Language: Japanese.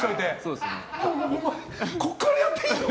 お前、ここからやっていいの？